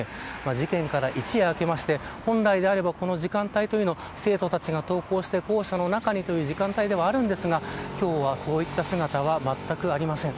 事件から一夜明けまして本来であればこの時間は生徒たちが登校して校舎の中にという時間帯ですが今日はそういった姿はまったくありません。